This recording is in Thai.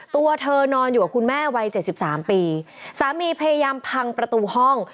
ตัวเธอนอนอยู่กับคุณแม่วัยเจ็ดสิบสามปีสามีพยายามพังประตูห้อง